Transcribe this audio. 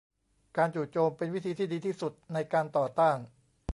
การจู่โจมเป็นวิธีที่ดีที่สุดในการต่อต้าน